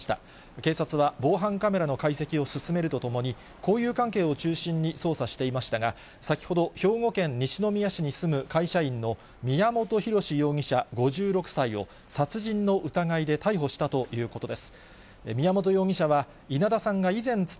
警察は防犯カメラの解析を進めるとともに、交友関係を中心に捜査していましたが、先ほど、兵庫県西宮市に住む会社員の宮本浩志容疑者５６歳を殺人の疑いで逮捕したということです。